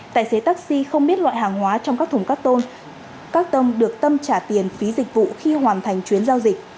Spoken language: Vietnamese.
tài xế taxi không biết loại hàng hóa trong các thùng cắt tông các tông được tâm trả tiền phí dịch vụ khi hoàn thành chuyến giao dịch